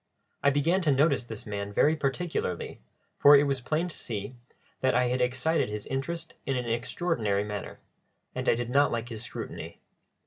I began to notice this man very particularly, for it was plain to see that I had excited his interest in an extraordinary manner, and I did not like his scrutiny.